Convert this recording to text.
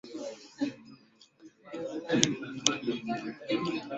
Mashamba yetu ina tosha malaki mingi sana